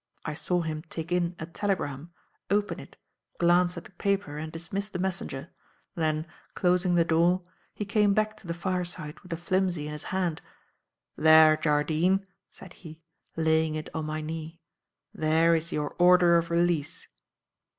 I saw him take in a telegram, open it, glance at the paper and dismiss the messenger. Then, closing the door, he came back to the fireside with the "flimsy" in his hand. "There, Jardine," said he, laying it on my knee; "there is your order of release."